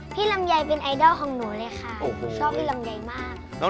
ลำไยเป็นไอดอลของหนูเลยค่ะหนูชอบพี่ลำไยมาก